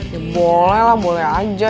ya boleh lah boleh aja